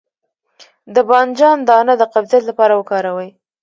د بانجان دانه د قبضیت لپاره وکاروئ